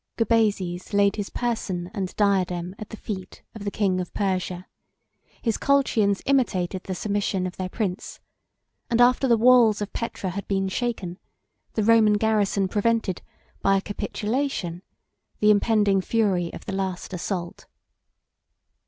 Gubazes laid his person and diadem at the feet of the king of Persia; his Colchians imitated the submission of their prince; and after the walls of Petra had been shaken, the Roman garrison prevented, by a capitulation, the impending fury of the last assault.